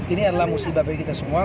ini adalah musibah bagi kita semua